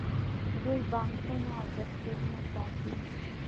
دوی بانکونه او دفترونه ساتي.